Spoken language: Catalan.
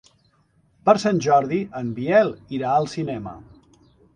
Per Sant Jordi en Biel irà al cinema.